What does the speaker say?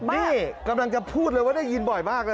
นี่กำลังจะพูดเลยว่าได้ยินบ่อยมากนะ